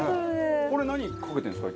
これ何かけてるんですか？